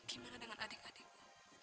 gimana dengan adik adikku